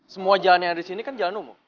semua jalan yang ada disini kan jalan umum